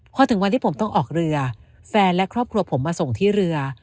พอถึงวันที่ผมต้องออกเรือแฟนและครอบครัวผมมาส่งที่เรือ